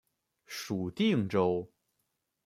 属定州。